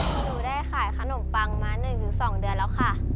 หนูได้ขายขนมปังมา๑๒เดือนแล้วค่ะ